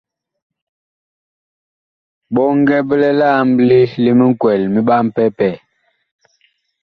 Bɔŋgɛ bi lɛ li amɓle li mikwɛl mi ɓapɛpɛɛ.